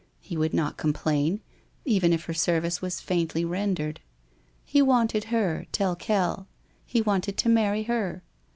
He would not complain, even if her service was faintly ren dered. He wanted her, tel quel; he wanted to marry her.